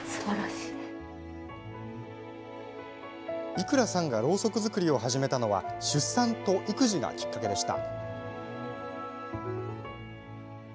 伊倉さんがろうそく作りを始めたのは出産と育児がきっかけでした。